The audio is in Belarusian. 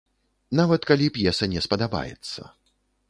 Нават калі п'еса не спадабаецца.